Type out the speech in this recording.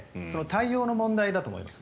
対応の問題だと思います。